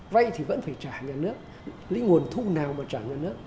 vay thì vẫn phải trả nhà nước lấy nguồn thu nào mà trả nhà nước